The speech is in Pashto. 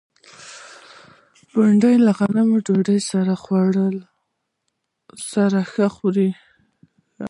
بېنډۍ له غنمو ډوډۍ سره ښه خوري